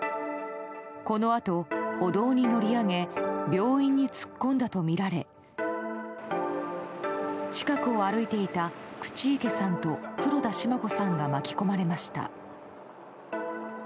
このあと歩道に乗り上げ病院に突っ込んだとみられ近くを歩いていた口池さんと黒田シマ子さんが巻き込まれました。